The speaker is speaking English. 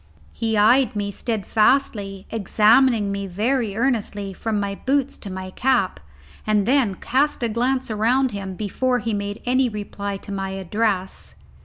He eyed me steadfastly, examining me very earnestly from my boots to my cap, and then cast a glance around him before he made any reply to my address.